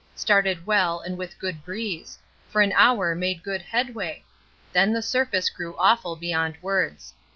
Started well and with good breeze; for an hour made good headway; then the surface grew awful beyond words.